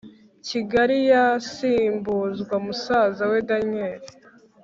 Kigali yasimbuzwa musaza we daniel